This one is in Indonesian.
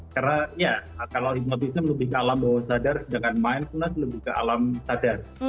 karena ya kalau hipnotism lebih ke alam bahwa sadar sedangkan mindfulness lebih ke alam sadar